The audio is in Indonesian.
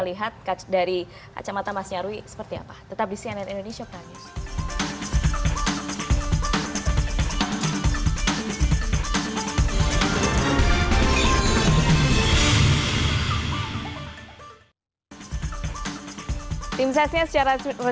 lihat dari kacamata mas nyarwi